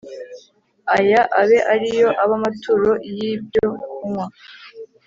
Aya abe ari yo aba amaturo y ibyokunywa